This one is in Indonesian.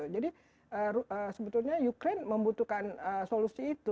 jadi sebetulnya ukraine membutuhkan solusi itu